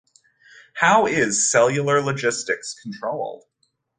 How is cellular logistics controlled?